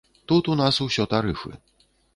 Тут у нас усё тарыфы.